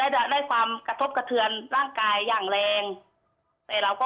ได้ความกระทบกระเทือนร่างกายอย่างแรง